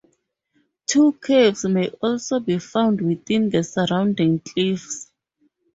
Two caves may also be found within the surrounding cliffs.